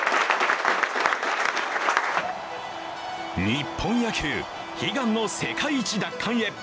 日本野球、悲願の世界一奪還へ。